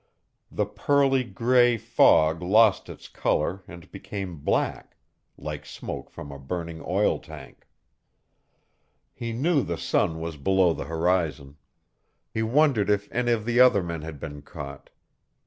The pearly gray fog lost its color and became black, like smoke from a burning oil tank. He knew the sun was below the horizon. He wondered if any of the other men had been caught.